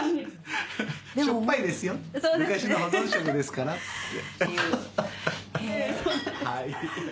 しょっぱいですよ昔の保存食ですからって。